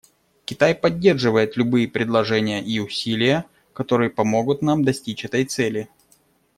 Китай поддерживает любые предложения и усилия, которые помогут нам достичь этой цели.